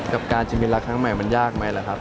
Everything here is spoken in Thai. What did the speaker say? กับการจะมีรักครั้งใหม่มันยากไหมล่ะครับ